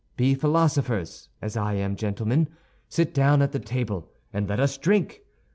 Be philosophers, as I am, gentlemen; sit down at the table and let us drink.